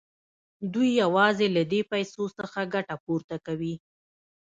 دوی یوازې له دې پیسو څخه ګټه پورته کوي